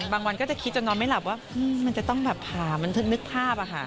วันก็จะคิดจนนอนไม่หลับว่ามันจะต้องแบบผ่าบันทึกนึกภาพ